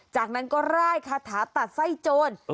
จากนั้นก็ร่ายคาถาตัดไส้โจร